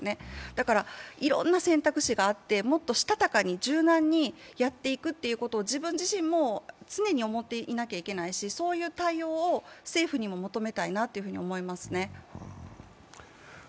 だから、いろんな選択肢があってもっとしたたかに柔軟にやっていくということを自分自身も常に思ってないといけないし、そういう対応を政府にも求めたいなと思いますね。